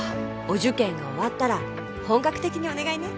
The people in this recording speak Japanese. お受験が終わったら本格的にお願いね。